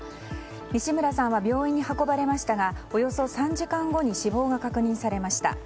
西村さんは病院に運ばれましたがおよそ３時間後に死亡が確認されました。